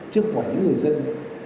chứ không phải những người dân